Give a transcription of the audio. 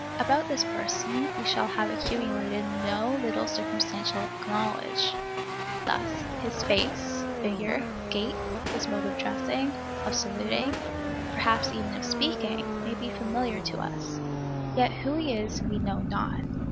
About this person we shall have accumulated no little circumstantial knowledge; thus, his face, figure, gait, his mode of dressing, of saluting, perhaps even of speaking, may be familiar to us; yet who he is we know not.